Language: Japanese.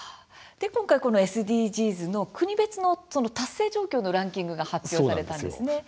今回、ＳＤＧｓの国別ランキング達成状況のランキングが発表されたんですね。